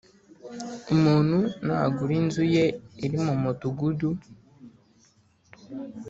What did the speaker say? Umuntu nagura inzu ye iri mu mudugudu